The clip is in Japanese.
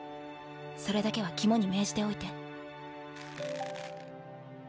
それだけは肝に銘じておいて。